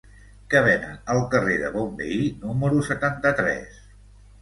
Què venen al carrer de Bonveí número setanta-tres?